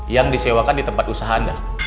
yang disewakan di tempat usaha anda